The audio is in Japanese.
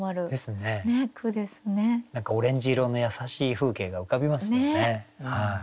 何かオレンジ色の優しい風景が浮かびますよね。